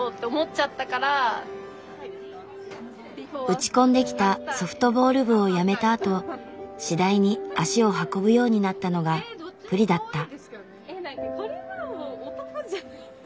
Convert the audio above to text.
打ち込んできたソフトボール部をやめたあと次第に足を運ぶようになったのがプリだった。